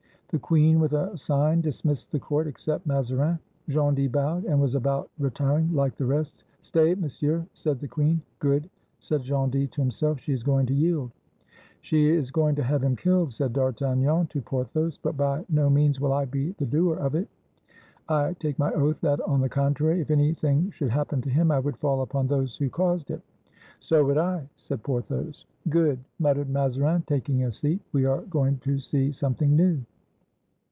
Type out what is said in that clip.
The queen with a sign dismissed the court, except Mazarin. Gondy bowed, and was about retiring like the rest. "Stay, Monsieur," said the queen. "Good," said Gondy to himself; " she is going to yield." "She is going to have him killed," said D'Artagnan to Porthos; "but by no means will I be the doer of it. I take my oath that, on the contrary, if anything should happen to him I would fall upon those who caused it." "So would I," said Porthos. "Good!" muttered Mazarin, taking a seat, "we are going to see something new."